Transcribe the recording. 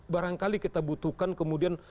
barangkali kita butuhkan kemudian